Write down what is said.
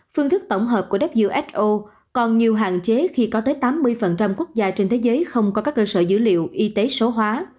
phương thức tổng hợp của who còn nhiều hạn chế khi có tới tám mươi quốc gia trên thế giới không có các cơ sở dữ liệu y tế số hóa